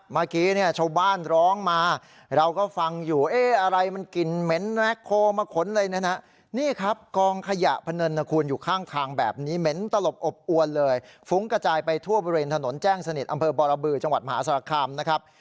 มีแม็กโคมาขุนเขาข้างในไหมจ้ะ